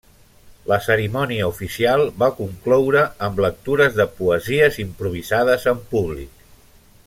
La cerimònia oficial va concloure amb lectures de poesies improvisades en públic.